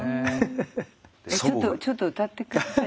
ちょっとうたって下さい。